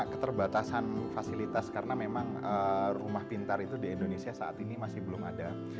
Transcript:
keterbatasan fasilitas karena memang rumah pintar itu di indonesia saat ini masih belum ada